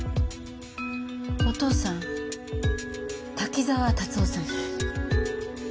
お父さん滝沢達生さん？